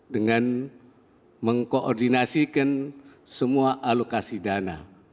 dengan mengkoordinasikan semua alokasi dana